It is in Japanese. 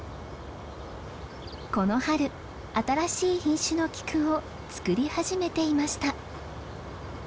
この春新しい品種のキクを作り始めていました。